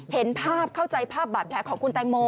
เห็นภาพเข้าใจภาพบาดแผลของคุณแตงโม